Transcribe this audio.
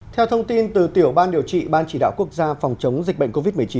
theo thông tin từ tiểu ban điều trị ban chỉ đạo quốc gia phòng chống dịch bệnh covid một mươi chín